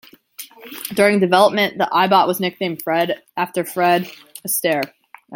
During development the iBot was nicknamed Fred after Fred Astaire.